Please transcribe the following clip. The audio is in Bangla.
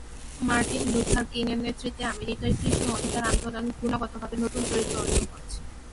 মার্টিন লুথার কিং-এর নেতৃত্বে আমেরিকায় কৃষ্ণ-অধিকার আন্দোলন গুণগতভাবে নতুন চরিত্র অর্জন করেছে।